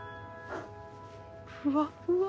ふわふわ。